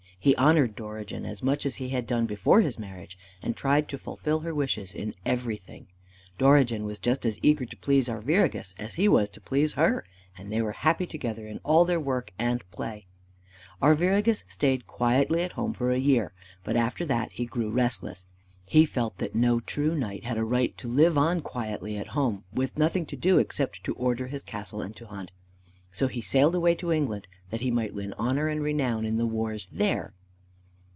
He honored Dorigen as much as he had done before his marriage, and tried to fulfil her wishes in everything. Dorigen was just as eager to please Arviragus as he was to please her, and they were happy together in all their work and play. Arviragus stayed quietly at home for a year, but after that he grew restless. He felt that no true knight had a right to live on quietly at home, with nothing to do except to order his castle and to hunt. So he sailed away to England that he might win honor and renown in the wars there.